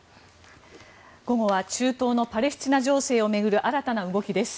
午後は中東のパレスチナ情勢を巡る新たな動きです。